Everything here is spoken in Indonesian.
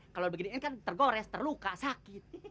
kalau begini ini kan tergores terluka sakit